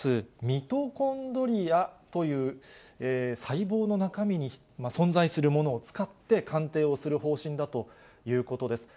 ミトコンドリアという細胞の中身に存在するものを使って鑑定をする方針だということです。